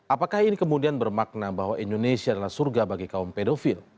apakah ini kemudian bermakna bahwa indonesia adalah surga bagi kaum pedofil